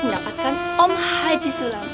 mendapatkan om haji sulam